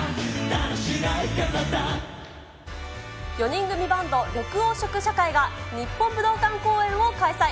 ４人組バンド、緑黄色社会が、日本武道館公演を開催。